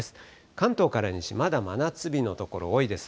関東から西、まだ真夏日の所、多いです。